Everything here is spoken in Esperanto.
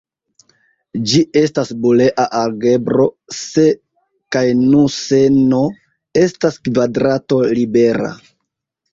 Ĝi estas bulea algebro se kaj nur se "n" estas kvadrato-libera.